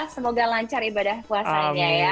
semoga lancar ibadah puasanya ya